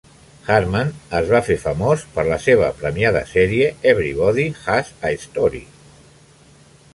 Hartman es va fer famós per la seva premiada sèrie "Everybody Has a Story".